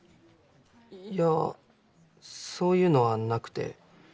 いやそういうのはなくて。